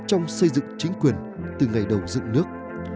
trong xây dựng chính quyền từ ngày đầu dựng nước